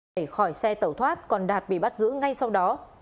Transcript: để khỏi xe tẩu thoát còn đạt bị bắt giữ ngay sau đó